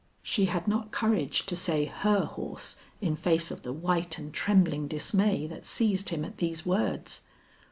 She had not courage to say her horse in face of the white and trembling dismay that seized him at these words.